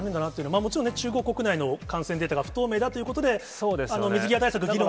もちろんね、中国国内の感染データが不透明だということで、水際対策も。